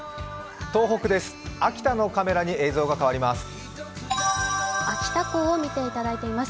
東北です、秋田のカメラに映像が変わります。